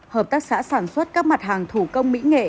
hợp tác xã sản xuất các mặt hàng thủ công mỹ nghệ